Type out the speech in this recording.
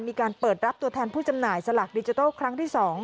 มีการเปิดรับตัวแทนผู้จำหน่ายสลากดิจิทัลครั้งที่๒